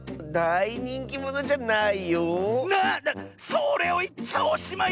それをいっちゃおしまいよ！